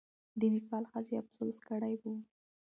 د نېپال ښځې افسوس کړی وو.